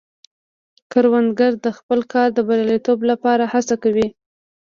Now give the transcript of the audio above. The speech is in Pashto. کروندګر د خپل کار د بریالیتوب لپاره هڅه کوي